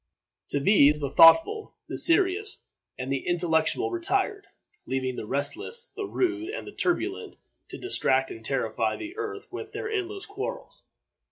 To these the thoughtful, the serious, and the intellectual retired, leaving the restless, the rude, and the turbulent to distract and terrify the earth with their endless quarrels.